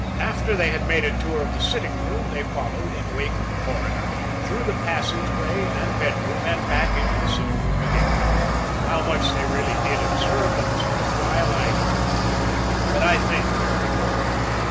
After they had made a tour of the sitting room, they followed in wake of the Coroner, through the passageway and bedroom and back into the sitting room again. How much they really did observe that was worth while, I don't know, but I think very little.